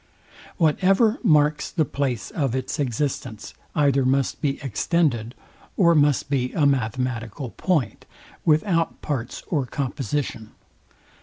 Whatever marks the place of its existence either must be extended, or must be a mathematical point, without parts or composition.